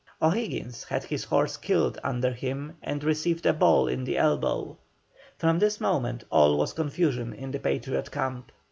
O'Higgins had his horse killed under him and received a ball in the elbow. From this moment all was confusion in the Patriot camp.